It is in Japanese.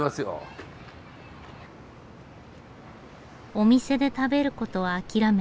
お店で食べることは諦め